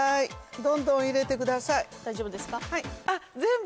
どんどん入れてください